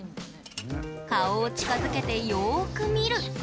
顔を近づけて、よーく見る。